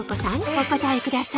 お答えください。